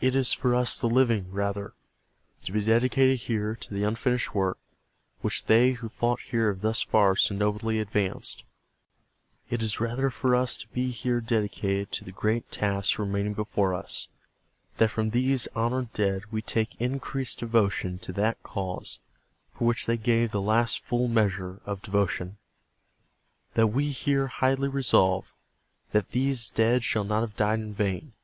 It is for us the living, rather, to be dedicated here to the unfinished work which they who fought here have thus far so nobly advanced. It is rather for us to be here dedicated to the great task remaining before us. . .that from these honored dead we take increased devotion to that cause for which they gave the last full measure of devotion. .. that we here highly resolve that these dead shall not have died in vain.